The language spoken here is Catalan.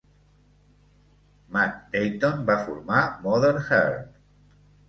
Matt Deighton va formar Mother Earth.